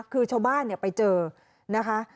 คือชาวบ้านเนี่ยไปเจอนะคะ